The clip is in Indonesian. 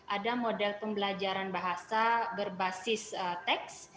ada model pembelajaran bahasa berbasis teks